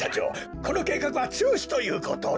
このけいかくはちゅうしということで。